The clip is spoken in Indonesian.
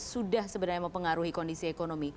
sudah sebenarnya mempengaruhi kondisi ekonomi